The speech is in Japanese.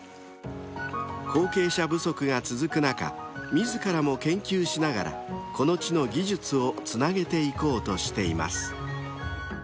［後継者不足が続く中自らも研究しながらこの地の技術をつなげていこうとしています］